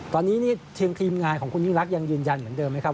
ตอนนี้ทีมทีมงานของคุณยิ่งรักยังยืนยันเหมือนเดิมไหมครับ